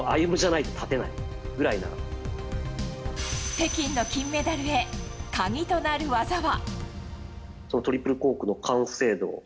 北京の金メダルへ鍵となる技は。